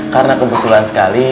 karena kebetulan sekali